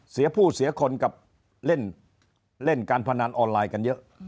เสียผู้เสียคนกับเล่นการพนันออนไลน์กันเยอะ